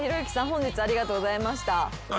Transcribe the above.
本日ありがとうございました。